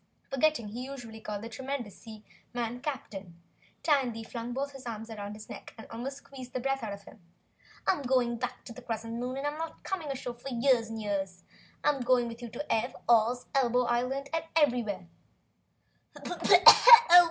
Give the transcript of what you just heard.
Forgetting he usually called the tremendous seaman "Captain," Tandy flung both arms round his neck and almost squeezed the breath out of him. "I'm going straight back on the Crescent Moon, and I'm not coming ashore for years and years. I'm going with you to Ev, Oz, Elbow Island and everywhere!"